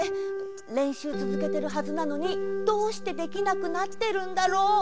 れんしゅうつづけてるはずなのにどうしてできなくなってるんだろう？